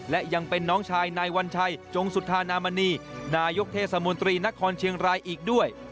และยังเป็นน้องชายนายวัญชัยจงสุธานามณีนายกเทศมนตรีนครเชียงรายอีกด้วย